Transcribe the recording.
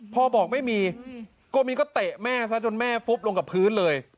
บอกไม่มีก็มีก็เตะแม่ซะจนแม่ฟุบลงกับพื้นเลย